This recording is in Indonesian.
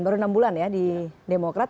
baru enam bulan ya di demokrat